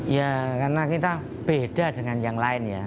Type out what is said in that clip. ya karena kita beda dengan yang lain ya